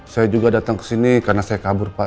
saya juga datang kesini karena saya kabur pak